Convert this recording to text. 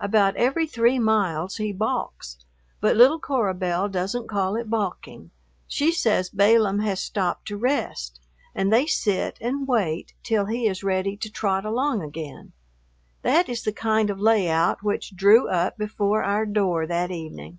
About every three miles he balks, but little Cora Belle doesn't call it balking, she says Balaam has stopped to rest, and they sit and wait till he is ready to trot along again. That is the kind of layout which drew up before our door that evening.